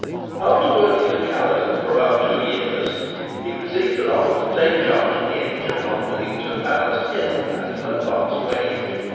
After working at Callerton for about two years, he received an offer to take charge of the engine on Willington Ballast Hill at an advanced wage.